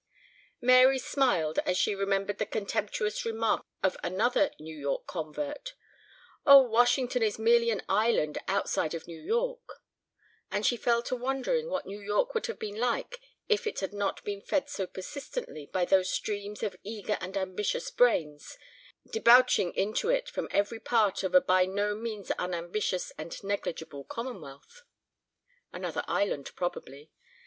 Mary smiled as she remembered the contemptuous remark of another New York convert: "Oh, Washington is merely an island outside of New York," and she fell to wondering what New York would have been like if it had not been fed so persistently by those streams of eager and ambitious brains debouching into it from every part of a by no means unambitious and negligible commonwealth. Another island, probably.